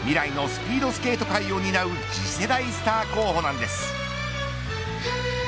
実は彼女、未来のスピードスケート界を担う次世代スター候補なんです。